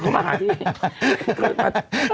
เขามาหาที่